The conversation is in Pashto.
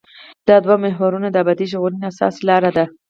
دا دوه محورونه د ابدي ژغورنې اساسي لاره دي.